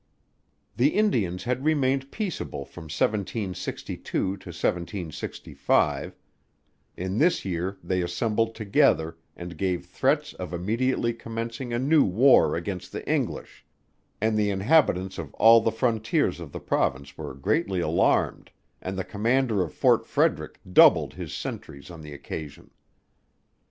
The Indians had remained peaceable from 1762 to 1765: in this year they assembled together, and gave threats of immediately commencing a new war against the English; and the inhabitants of all the frontiers of the Province were greatly alarmed, and the commander of Fort Frederick doubled his sentries on the occasion.